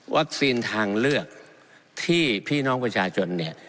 ทางเลือกที่พี่น้องประชาชนเนี่ย